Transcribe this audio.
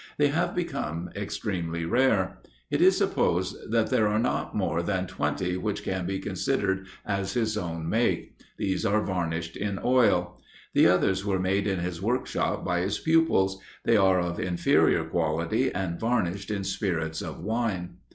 They have become extremely scarce; it is supposed that there are not more than twenty which can be considered as his own make; these are varnished in oil. The others were made in his workshop by his pupils; they are of inferior quality, and varnished in spirits of wine.